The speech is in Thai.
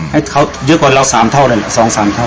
ให้เขาเยอะกว่าเรา๓เท่าเลยแหละ๒๓เท่า